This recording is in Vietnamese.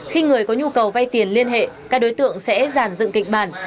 khi người có nhu cầu vay tiền liên hệ các đối tượng sẽ giàn dựng kịch bản